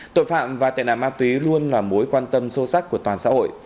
tội phạm và tệ nạn ma túy luôn là mối quan tâm sâu sắc của toàn xã hội